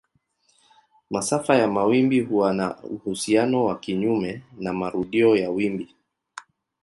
Masafa ya mawimbi huwa na uhusiano wa kinyume na marudio ya wimbi.